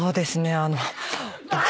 あの。